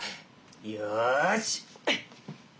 よし！